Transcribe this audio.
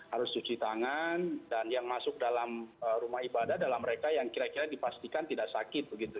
harus cuci tangan dan yang masuk dalam rumah ibadah adalah mereka yang kira kira dipastikan tidak sakit begitu